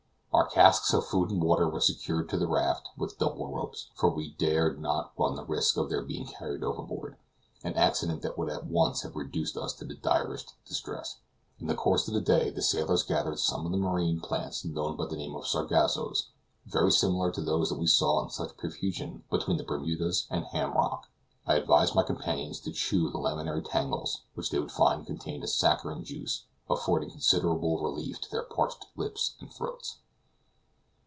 Our casks of food and water were secured to the raft with double ropes, for we dared not run the risk of their being carried overboard, an accident that would at once have reduced us to the direst distress. In the course of the day the sailors gathered some of the marine plants known by the name of sargassos, very similar to those we saw in such profusion between the Bermudas and Ham Rock. I advised my companions to chew the laminary tangles, which they would find contained a saccharine juice, affording considerable relief to their parched lips and throats.